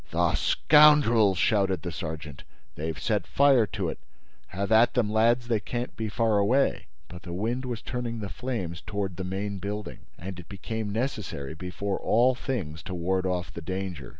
"The scoundrels!" shouted the sergeant. "They've set fire to it. Have at them, lads! They can't be far away!" But the wind was turning the flames toward the main building; and it became necessary, before all things, to ward off the danger.